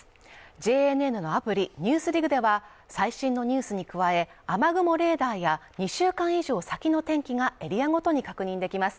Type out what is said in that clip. ＪＮＮのアプリ「ＮＥＷＳＤＩＧ」では、最新のニュースに加え、雨雲レーダーや２週間以上先の天気がエリアごとに確認できます。